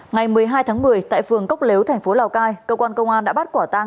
ngày một mươi hai tháng một mươi tại phường cốc lếu thành phố lào cai cơ quan công an đã bắt quả tang